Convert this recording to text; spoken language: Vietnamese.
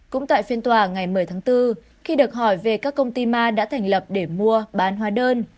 cũng tại phiên tòa ngày một mươi tháng bốn khi được hỏi về các công ty ma đã thành lập để mua bán hóa đơn